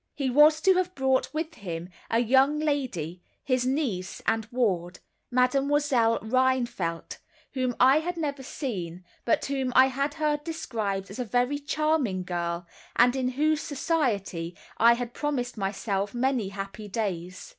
He was to have brought with him a young lady, his niece and ward, Mademoiselle Rheinfeldt, whom I had never seen, but whom I had heard described as a very charming girl, and in whose society I had promised myself many happy days.